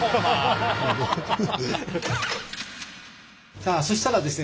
さあそしたらですね